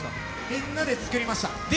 みんなで作りました。